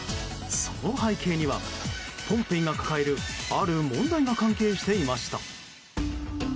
その背景には、ポンペイが抱えるある問題が関係していました。